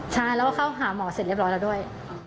ใช่แล้วก็เข้าหาหมอเสร็จเรียบร้อยแล้วด้วย